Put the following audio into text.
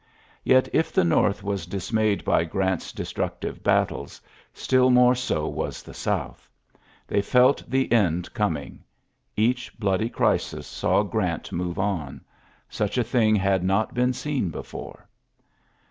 Yet, if the North was dismayed by Grant's destructive battles, still more so was the South. They felt the end coming. Each bloody crisis saw Grant move on. Such a thing had not been seen before.